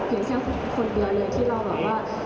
เพียงแค่คนเดียวเลยที่เราบอกว่า